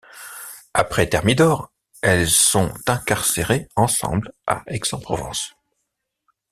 Après Thermidor, elles sont incarcérées ensemble à Aix-en-Provence.